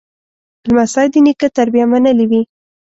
لمسی د نیکه تربیه منلې وي.